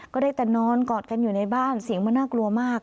ก็ได้แต่นอนกอดกันอยู่ในบ้านเสียงมันน่ากลัวมาก